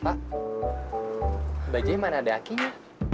pak bajaj mana ada akinya